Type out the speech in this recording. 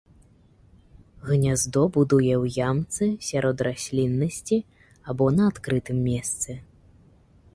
Гняздо будуе ў ямцы сярод расліннасці або на адкрытым месцы.